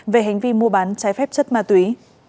về hành vi mua bán trái phép chất ma túy